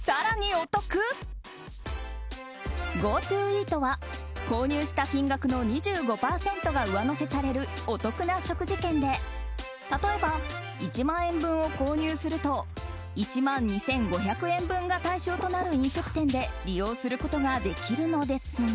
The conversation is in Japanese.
ＧｏＴｏイートは購入した金額の２５％が上乗せされるお得な食事券で例えば１万円分を購入すると１万２５００円分が対象となる飲食店で利用することができるのですが。